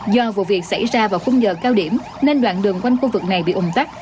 do vụ việc xảy ra vào khung giờ cao điểm nên đoạn đường quanh khu vực này bị ủng tắc